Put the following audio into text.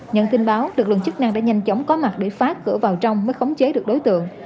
nhận tin báo lực lượng chức năng đã nhanh chóng có mặt để phá cửa vào trong mới khống chế được đối tượng